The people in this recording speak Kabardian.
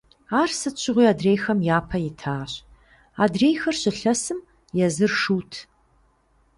Ар сыт щыгъуи адрейхэм япэ итащ, адрейхэр «щылъэсым», езыр «шут».